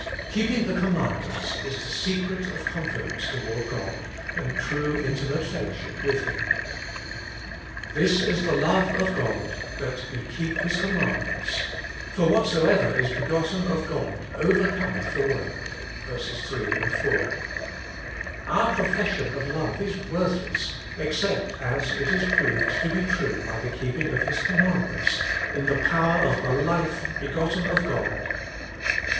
Keeping the command ments is the secret of confidence toward God, and true intimate fellowship with Him. "This is the love of God that We Keep His commandments, for whatsoever is begotten of God overcometh the world" (v. 3, 4). Our profession of love is worthless, except as it is proved to be true by the keeping of His commandments in the power of a life begotten of God.